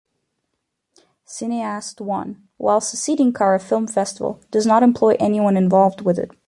Cineaste One while succeeding KaraFilm festival does not employ anyone involved with it.